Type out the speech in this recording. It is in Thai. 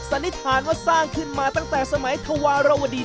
สันนิษฐานว่าสร้างขึ้นมาตั้งแต่สมัยธวรวดี